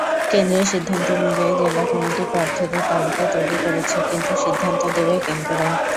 কেন্দ্রের সিদ্ধান্ত অনুযায়ী জেলা কমিটি প্রার্থীদের তালিকা তৈরি করেছে, কিন্তু সিদ্ধান্ত দেবে কেন্দ্র।